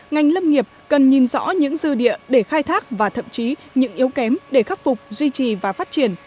ngành lâm nghiệp cần nhìn rõ những dư địa để khai thác và thậm chí những yếu kém để khắc phục duy trì và phát triển